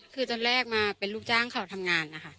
คือตอนแรกมาเป็นลูกจ้างเขาทำงานนะคะ